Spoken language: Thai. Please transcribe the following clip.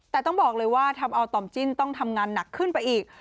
แต่ต้องบอกเลยว่าทำเอาต่อมจิ้นต้องทำงานหนักขึ้นไปอีก